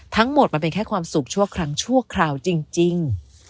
มันเป็นแค่ความสุขชั่วครั้งชั่วคราวจริง